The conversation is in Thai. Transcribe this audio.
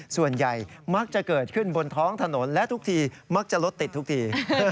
ส่วนใหญ่มักจะเกิดขึ้นบนท้องถนนและทุกทีมักจะรถติดทุกที